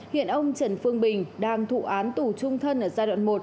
hiện ông trần phương bình đang thụ án tù trung thân ở giai đoạn một